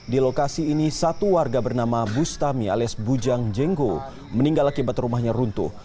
di lokasi ini satu warga bernama bustami alias bujang jenggo meninggal akibat rumahnya runtuh